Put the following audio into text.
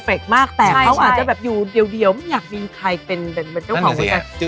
เพราะเขาอาจะอยู่เดียวไม่อยากมีใครเป็นเจ้าขวา